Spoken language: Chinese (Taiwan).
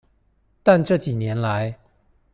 但這幾年來